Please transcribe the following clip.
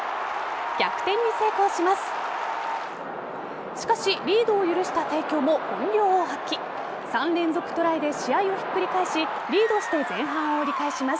逆転に成功します。